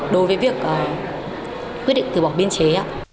đối với việc quyết định từ bỏ biên chế